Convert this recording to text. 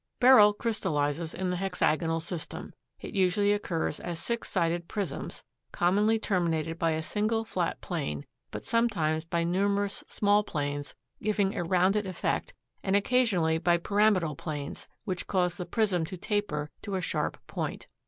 Beryl crystallizes in the hexagonal system. It usually occurs as six sided prisms, commonly terminated by a single flat plane, but sometimes by numerous small planes giving a rounded effect and occasionally by pyramidal planes which cause the prism to taper to a sharp point.